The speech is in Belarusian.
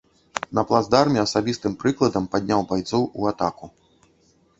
На плацдарме асабістым прыкладам падняў байцоў у атаку.